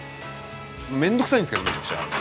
めんどくさいんですけどめちゃくちゃ。